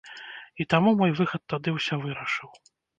І таму мой выхад тады ўсё вырашыў.